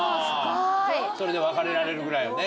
それで別れられるぐらいはね。